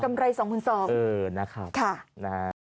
กำไร๒คูณ๒นะครับ